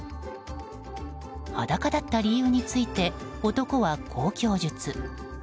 裸だった理由について男はこう供述。